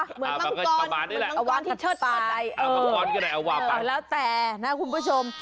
เหมือนมังกรมังกรที่เชิดปลอดภัยเออแล้วแต่นะคุณผู้ชม